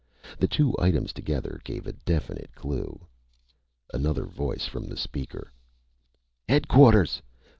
The two items together gave a definite clue. Another voice from the speaker: "_Headquarters!